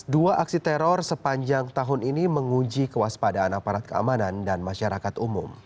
dua aksi teror sepanjang tahun ini menguji kewaspadaan aparat keamanan dan masyarakat umum